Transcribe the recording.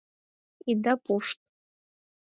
Ида пушт!..